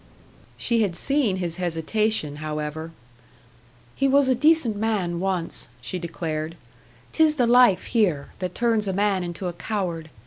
She had seen his hesitation, however. "He was a decent man once," she declared. "'Tis the life here, that turns a man into a coward.